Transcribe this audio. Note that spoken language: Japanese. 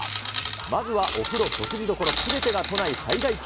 まずはお風呂、食事ところ、すべてが都内最大級！